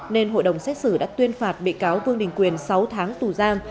nên hội đồng xét xử đã tuyên phạt bị cáo vương đình quyền sáu tháng tù giam